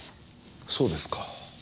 そうですか。